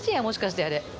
もしかしてあれ。